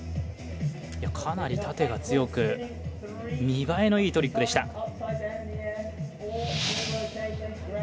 かなり縦が強く見栄えのいいトリックでした。